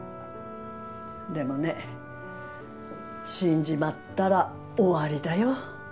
でもね死んじまったら終わりだよ。